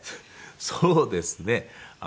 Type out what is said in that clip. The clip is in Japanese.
そうですね。